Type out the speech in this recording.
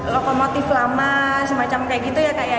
lokomotif lama semacam kayak gitu ya kayak